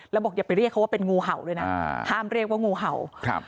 แล้วบอกอย่าไปเรียกเขาว่าเป็นงูเห่าเลยนะอ่าห้ามเรียกว่างูเห่าครับ